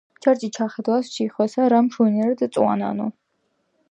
ჯარჯი ჩახედავს ჯიხვესა რა მსვენიერად წვანანო